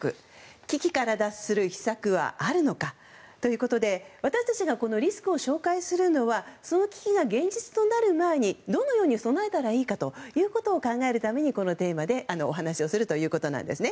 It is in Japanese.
危機から脱する秘策はあるのか。ということで私たちがこのリスクを紹介するのはその危機が現実となる前にどのように備えたらいいかを考えるために、このテーマで話をするということなんですね。